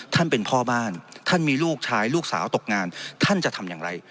ท่านเป็นพ่อบ้านท่านมีลูกชายลูกสาวตกงานท่านจะทำอย่างไร